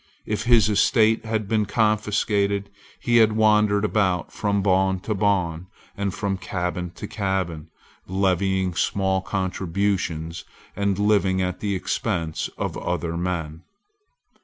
If his estate had been confiscated, he had wandered about from bawn to bawn and from cabin to cabin, levying small contributions, and living at the expense of other men.